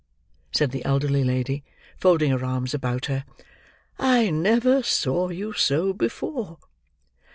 said the elderly lady, folding her arms about her, "I never saw you so before."